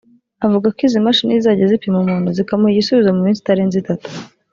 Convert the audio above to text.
avuga ko izi mashini zizajya zipima umuntu zikamuha igisubizo mu minsi itarenze itatu